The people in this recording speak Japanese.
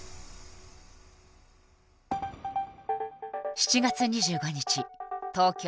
７月２５日東京・有明。